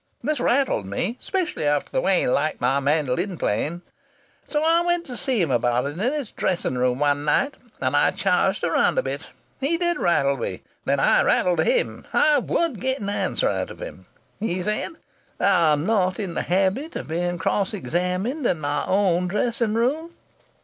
This rattled me, specially after the way he liked my mandolin playing. So I went to see him about it in his dressing room one night, and I charged around a bit. He did rattle me! Then I rattled him. I would get an answer out of him. He said: "'I'm not in the habit of being cross examined in my own dressing room.'